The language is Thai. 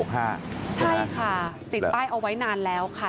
ใช่ค่ะติดป้ายเอาไว้นานแล้วค่ะ